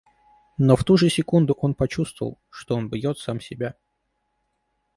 Но в ту же секунду почувствовал, что он бьет сам себя.